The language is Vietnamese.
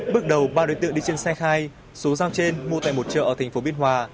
bước đầu ba đối tượng đi trên xe khai số dao trên mua tại một chợ ở thành phố biên hòa